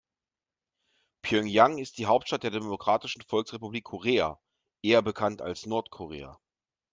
Pjöngjang ist die Hauptstadt der Demokratischen Volksrepublik Korea, eher bekannt als Nordkorea.